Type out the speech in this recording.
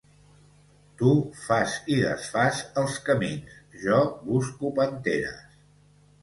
Tu fas i desfàs els camins, jo busco panteres